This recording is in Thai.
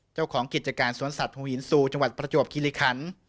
เจ้าของกิจการสวนสัตวหินซูจังหวัดประจวบคิริคัน